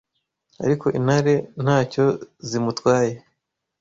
Ariko intare nta cyo zimutwaye!